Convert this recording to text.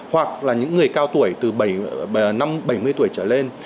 hoặc là những người cao tuổi từ năm bảy mươi tuổi trở lên